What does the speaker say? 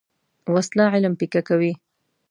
وسله علم پیکه کوي